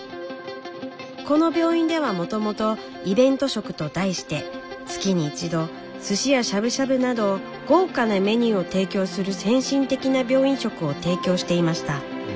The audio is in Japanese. この病院ではもともと「イベント食」と題して月に１度寿司やしゃぶしゃぶなど豪華なメニューを提供する先進的な病院食を提供していました。